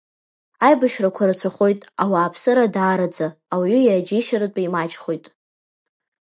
Аибашьрақәа рацәахоит, ауааԥсыра даараӡа, уаҩы иааџьеишьаратәы, имаҷхоит…